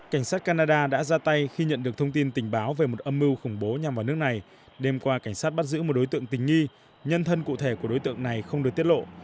cảnh sát canada đã ra tay khi nhận được thông tin tình báo về một âm mưu khủng bố nhằm vào nước này đêm qua cảnh sát bắt giữ một đối tượng tình nghi nhân thân cụ thể của đối tượng này không được tiết lộ